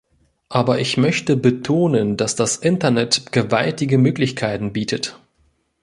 Aber ich möchte betonen, dass das Internet gewaltige Möglichkeiten bietet.